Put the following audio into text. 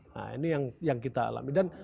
nah ini yang kita alami